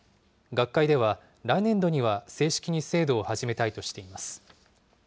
学会では、来年度には正式に制度を始めたいとしています。